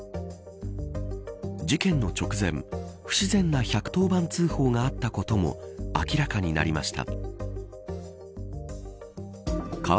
事件の直前不自然な１１０番通報があったことも明らかになりました。